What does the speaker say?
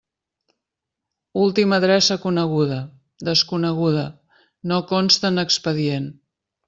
Última adreça coneguda: desconeguda, no consta en expedient.